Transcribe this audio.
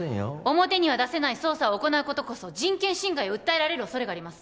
表には出せない捜査を行うことこそ人権侵害を訴えられる恐れがあります